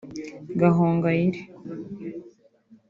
Gahongayire